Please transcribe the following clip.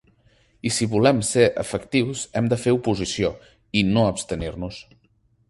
I si volem ser efectius hem de fer oposició, i no abstenir-nos.